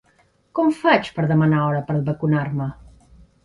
Com faig per demanar hora per vacunar-me?